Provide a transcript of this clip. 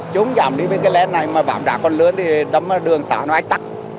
chúng dòng đi với cái lén này mà bạm rã con lướt thì đấm đường xã nó ách tắt